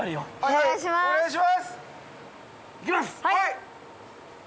はい！